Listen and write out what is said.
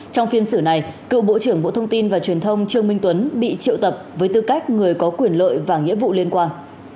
trong phiên xử này cựu bộ trưởng bộ thông tin và truyền thông trương minh tuấn bị triệu tập với tư cách người có quyền lợi và nghĩa vụ liên quan